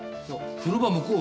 風呂場向こう。